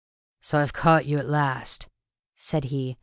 "So I've caught you at last!" said he.